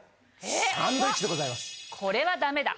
これはダメだ。